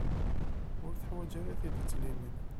Ur teḥwaǧ ara tidet limin.